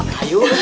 kan semuanya sama